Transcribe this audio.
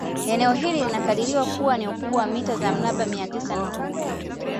Eneo hili linakadiriwa kuwa na ukubwa wa mita za mraba mia tisa na kumi